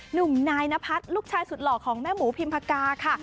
หนุ่มนายนพัฒน์ลูกชายสุดหล่อของแม่หมูพิมพกาค่ะ